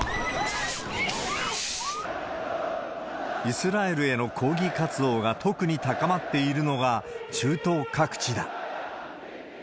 イスラエルへの抗議活動が特に高まっているのが、中東各地だ。